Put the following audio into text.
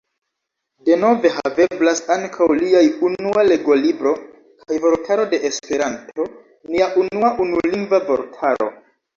Denove haveblas ankaŭ liaj Unua legolibro kaj Vortaro de Esperanto, nia unua unulingva vortaro.